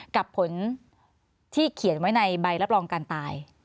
กับผลที่เขียนไว้ในใบรับรองการตาย